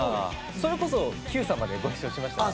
それこそ『Ｑさま！！』でご一緒しましたよね。